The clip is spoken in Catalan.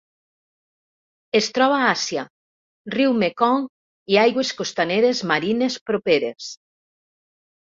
Es troba a Àsia: riu Mekong i aigües costaneres marines properes.